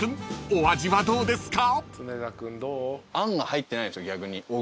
お味はどうですか？］